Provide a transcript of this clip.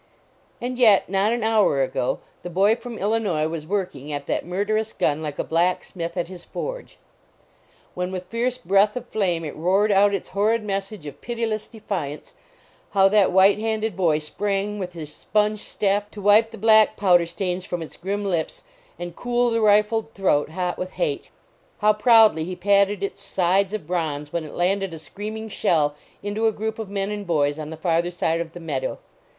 And yet, not an hour ago, the boy from Illinois was working at that murderous gun like a blacksmith at his forge. When 219 LAUREL AND CYPRESS with fierce breath of flame it roared out its horrid message of pitiless defiance, how that white handed boy sprang with his sponge staff to wipe the black powder stains from its grim lips, and cool the rifled throat, hot with hate. How proudly he patted its sides of bronze when it landed a screaming shell into a group of men and boys on the farther side of the meadow.